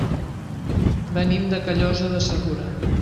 Venim de Callosa de Segura.